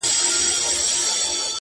• ټوله شپه خوبونه وي.